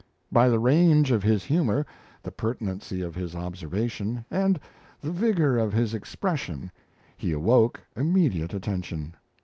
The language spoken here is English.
By the range of his humour, the pertinency of his observation, and the vigour of his expression he awoke immediate attention.